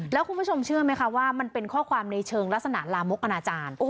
แล้วคุณผู้ชมเชื่อไหมคะว่ามันเป็นข้อความในเชิงลักษณะลามกอนาจารย์